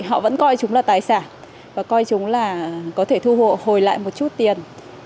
họ vẫn coi chúng là tài sản và coi chúng là có thể thu hồi lại một chút tiền